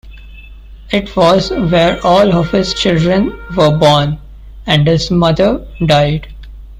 It was where all of his children were born and his mother died.